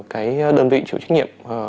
cái đơn vị chủ trách nhiệm